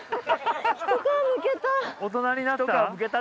大人になった？